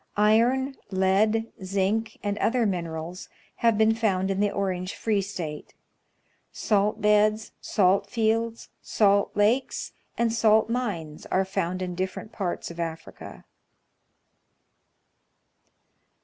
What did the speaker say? Iron, lead, zinc, and other minerals, have been found in the Orange Free State. Salt beds, salt fields, salt lakes, and salt mines are found in different parts of Africa.